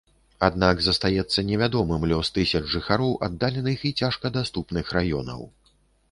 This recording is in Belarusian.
Аднак застаецца невядомым лёс тысяч жыхароў аддаленых і цяжкадаступных раёнаў.